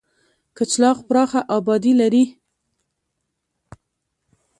کچلاغ پراخه آبادي لري.